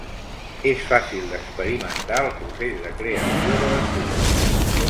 És fàcil d'experimentar el procés de creació de les dunes.